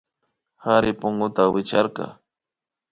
Kari punguta wichkarka